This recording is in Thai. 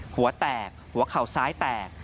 หัวแตกหัวเข่าซ้ายแตก